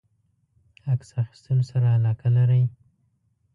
عکس اخیستلو سره علاقه لری؟